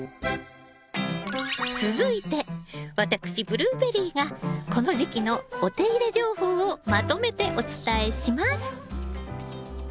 続いて私ブルーベリーがこの時期のお手入れ情報をまとめてお伝えします。